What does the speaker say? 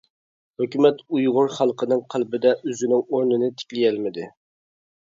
ھۆكۈمەت ئۇيغۇر خەلقىنىڭ قەلبىدە ئۆزىنىڭ ئورنىنى تىكلىيەلمىدى.